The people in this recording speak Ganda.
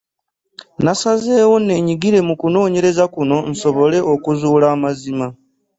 “Nasazeewo nneenyigire mu kunoonyereza kuno nsobole okuzuula amazima"